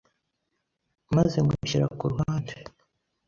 maze mushyira ku ruhande